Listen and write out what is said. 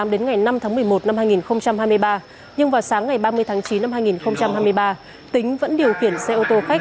đến ngày năm tháng một mươi một năm hai nghìn hai mươi ba nhưng vào sáng ngày ba mươi tháng chín năm hai nghìn hai mươi ba tính vẫn điều khiển xe ô tô khách